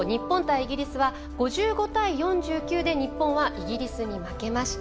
イギリスは５５対４９で日本はイギリスに負けました。